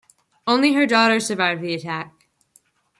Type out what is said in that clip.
Only her daughter survived the attack.